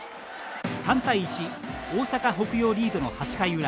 ３対１大阪・北陽リードの８回裏。